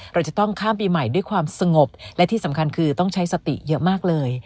เราจะต้องข้ามปีใหม่ด้วยความสงบและที่สำคัญคือต้องใช้สติเยอะมากเลย